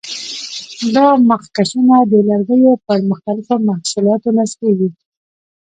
دا مخکشونه د لرګیو پر مختلفو محصولاتو نصبېږي.